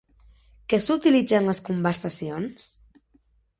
Què s'utilitza en les conversacions?